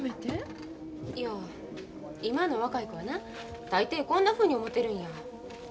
いや今の若い子はな大抵こんなふうに思てるんや。